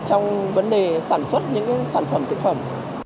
trong vấn đề sản xuất những sản phẩm thực phẩm